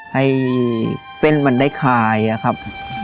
ให้เส้นมันได้คายอะครับ